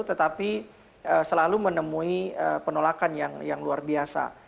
tetapi selalu menemui penolakan yang luar biasa